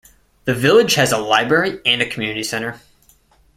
The village has a library and a community centre.